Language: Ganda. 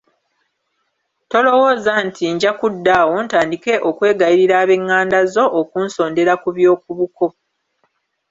Tolowooza nti nja kudda awo ntandike okwegayirira ab’eŋŋanda zo okunsondera ku by’oku buko.